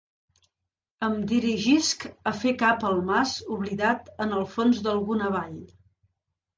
Em dirigisc a fer cap al mas oblidat en el fons d’alguna vall.